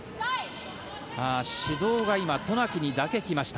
指導が今渡名喜にだけ来ました。